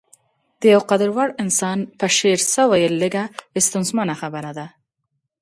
د يو قدر وړ انسان په شعر څه ويل لږه ستونزمنه خبره ده.